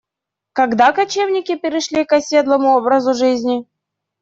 Когда кочевники перешли к оседлому образу жизни?